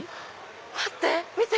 待って！